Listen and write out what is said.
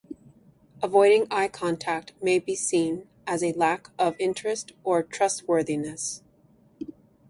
Avoiding eye contact may be seen as a lack of interest or trustworthiness.